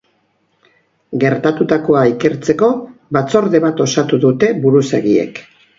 Gertatutako ikertzeko batzorde bat osatu dute buruzagiek.